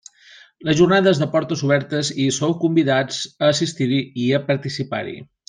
La jornada és de portes obertes i hi sou convidats a assistir-hi i a participar-hi.